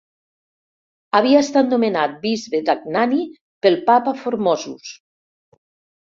Havia estat nomenat bisbe d'Anagni pel Papa Formosus.